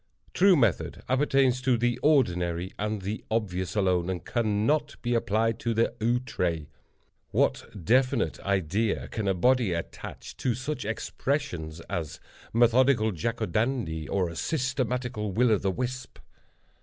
True method appertains to the ordinary and the obvious alone, and cannot be applied to the outré. What definite idea can a body attach to such expressions as "methodical Jack o' Dandy," or "a systematical Will o' the Wisp"?